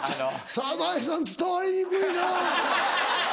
サザエさん伝わりにくいな。